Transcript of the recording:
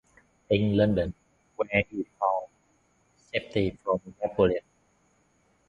In London, where he found safety from Napoleon.